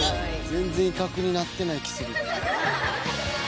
「全然威嚇になってない気する」